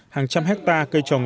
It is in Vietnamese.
hàng trăm hectare cây trồng